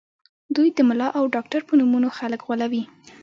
دوی د ملا او ډاکټر په نومونو خلک غولوي